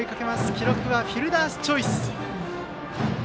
記録はフィルダースチョイス。